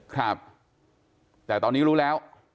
ครับแต่ตอนนี้รู้แล้ว